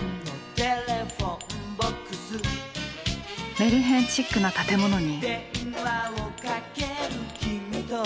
メルヘンチックな建物に。